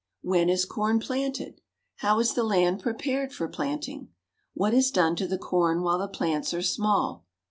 When is corn planted? How is the land prepared for planting? What is done to the corn while the plants are small?